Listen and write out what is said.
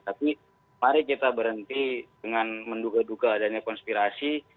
tapi mari kita berhenti dengan menduga duga adanya konspirasi